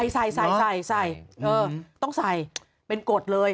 ใส่ใส่ต้องใส่เป็นกฎเลย